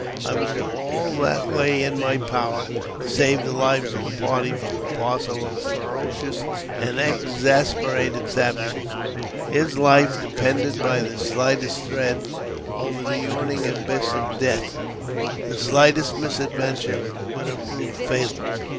I was doing all that lay in my power to save the lives of the party from a parcel of ferocious and exasperated savages ; his life depended by the slightest thread over the yawning abyss of death ; the slightest misadventure would have proved fatal.